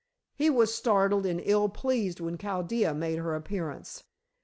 He was startled and ill pleased when Chaldea made her appearance.